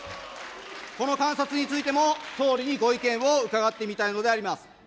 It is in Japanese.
この観察についても、総理にご意見を伺ってみたいのであります。